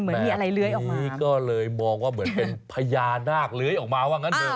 เหมือนมีอะไรเลื้อยออกมานี่ก็เลยมองว่าเหมือนเป็นพญานาคเลื้อยออกมาว่างั้นเถอ